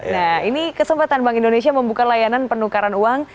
nah ini kesempatan bank indonesia membuka layanan penukaran uang